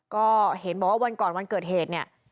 ก็เห็นบอกว่าวันก่อนวันเกิดเหตุเนี่ย